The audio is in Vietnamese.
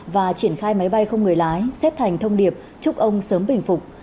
và triển khai máy bay không người lái xếp thành thông điệp chúc ông sớm bình phục